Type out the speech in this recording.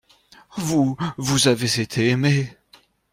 Vous, vous avez été aimé.